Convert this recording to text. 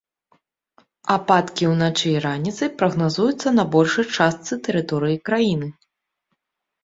Ападкі ўначы і раніцай прагназуюцца на большай частцы тэрыторыі краіны.